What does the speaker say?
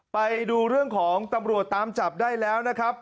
ไปดูเรื่องของตำรวจตามจับได้แล้วนะครับ